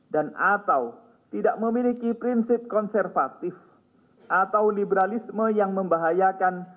dan atau tidak memiliki prinsip konservatif atau liberalisme yang membahayakan